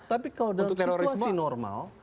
tapi kalau dalam situasi normal